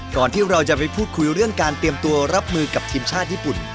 ที่เราจะไปพูดคุยเรื่องการเตรียมตัวรับมือกับทีมชาติญี่ปุ่น